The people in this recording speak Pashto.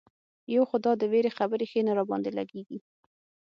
یو خو دا د وېرې خبرې ښې نه را باندې لګېږي.